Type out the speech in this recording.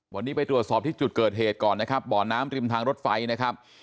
วันนี้ไปตรวจสอบที่จุดเกิดเหตุก่อนนะครับบ่อน้ำริมทางรถไฟนะครับ